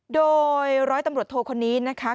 โดยร้อยตำรวจโทคนนี้นะคะ